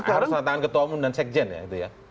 kan harus ada tangan ketua undang undang sekjen ya